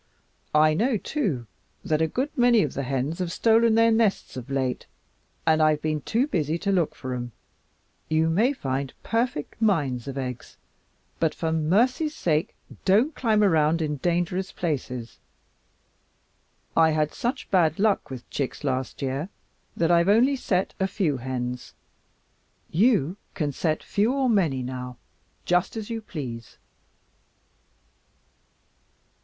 I know, too, that a good many of the hens have stolen their nests of late, and I've been too busy to look for 'em. You may find perfect mines of eggs, but, for mercy's sake! don't climb around in dangerous places. I had such bad luck with chicks last year that I've only set a few hens. You can set few or many now, just as you please."